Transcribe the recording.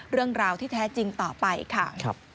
เรื่องราวที่แท้จริงต่อไปค่ะ